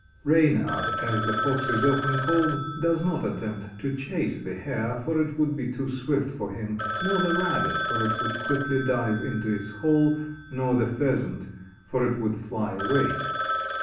Reynard, as the Fox is often called, does not attempt to chase the Hare, for it would be too swift for him, nor the Rabbit, for it would quickly dive into its hole, nor the Pheasant, for it would fly away.